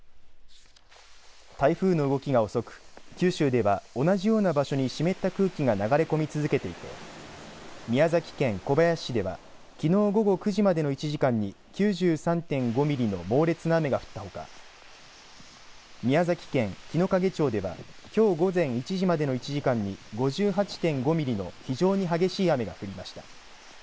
台風の動きが遅く九州では同じような場所に湿った空気が流れ込み続けていて宮崎県小林市ではきのう午後９時までの１時間に９３．５ミリの猛烈な雨が降ったほか宮崎県日之影町ではきょう午前１時までの１時間に５８．５ミリの非常に激しい雨が降りました。